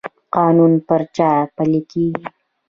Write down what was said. قانون پر چا پلی کیږي؟